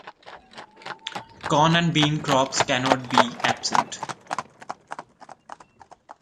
Corn and Bean crops can not be absent.